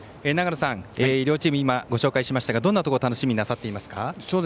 長野さん、両チーム今ご紹介しましたがどんなところを楽しみになさっていますか？